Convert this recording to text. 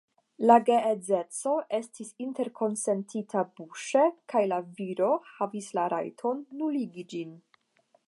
La geedzeco estis interkonsentita buŝe, kaj la viro havis la rajton nuligi ĝin.